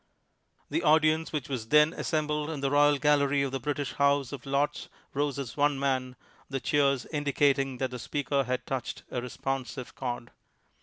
The audience which was then assem bled in the Royal gallery of the British House of Lords rose as one man, the cheers indicating that the speaker had touched a resx)onsive chord.